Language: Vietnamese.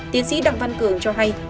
tiến sĩ đặng văn cường cho hay